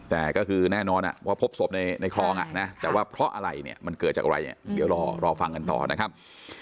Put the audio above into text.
แต่ก็คือแน่นอนว่าพบศพในคลองอ่ะนะแต่ว่าเพราะอะไรเนี่ยมันเกิดจากอะไรเนี่ยเดี๋ยวรอฟังกันต่อนะครับ